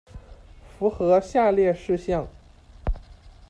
符合下列事项